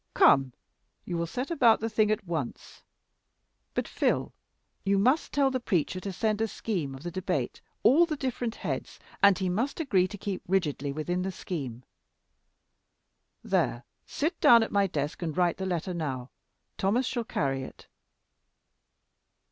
Come, you will set about the thing at once. But, Phil, you must tell the preacher to send a scheme of the debate all the different heads and he must agree to keep rigidly within the scheme. There, sit down at my desk and write the letter now; Thomas shall carry it."